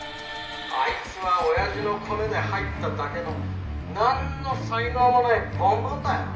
アイツは親父のコネで入っただけの何の才能も無いボンボンだよ！